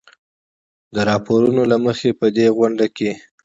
د راپورونو له مخې په دې غونډه کې